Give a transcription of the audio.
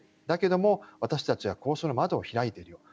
だけど、私たちは交渉の窓を開いている。